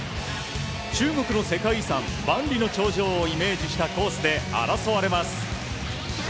中国の世界遺産、万里の長城をイメージしたコースで、争われます。